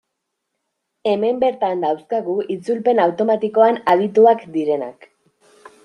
Hemen bertan dauzkagu itzulpen automatikoan adituak direnak.